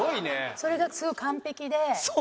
それがすごい完璧で。